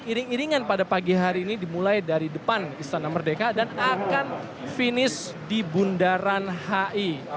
iring iringan pada pagi hari ini dimulai dari depan istana merdeka dan akan finish di bundaran hi